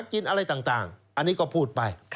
กินอะไรต่างอันนี้ก็พูดไป